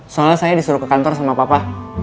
soalnya saya disuruh ke kantor sama papa